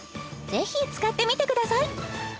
ぜひ使ってみてください